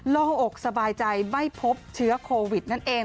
อกสบายใจไม่พบเชื้อโควิดนั่นเอง